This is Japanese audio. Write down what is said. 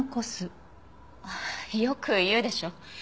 よく言うでしょ。